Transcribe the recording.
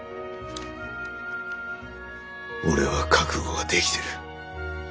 俺は覚悟ができてる。